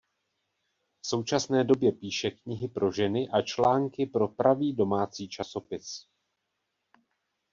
V současné době píše knihy pro ženy a články pro Pravý domácí časopis.